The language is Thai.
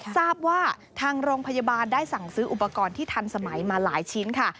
ทราบว่าทางโรงพยาบาลได้สั่งซื้ออุปกรณ์ที่ทันสมัยมาหลายชิ้นค่ะ